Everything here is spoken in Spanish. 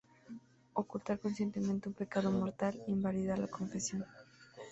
Ocultar conscientemente un pecado mortal invalida la confesión.